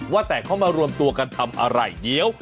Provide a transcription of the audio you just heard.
ว่าแต่เขามารวมตัวกันทำอะไรเดี๋ยว